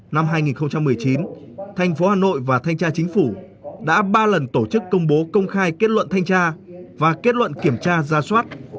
năm hai nghìn một mươi chín thành phố hà nội và thanh tra chính phủ đã ba lần tổ chức công bố công khai kết luận thanh tra và kết luận kiểm tra ra soát